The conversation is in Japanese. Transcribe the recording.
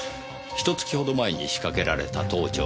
ひと月ほど前に仕掛けられた盗聴器。